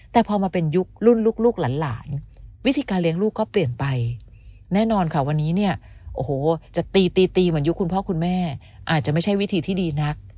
แต่พอมาเป็นยุครุ่นลูกหลานวิธีการเลี้ยงลูกก็เปลี่ยนไปแน่นอนค่ะวันนี้เนี่ยโอ้โหจะตีตีเหมือนยุคคุณพ่อคุณแม่อาจจะไม่ใช่วิธีที่ดีนัก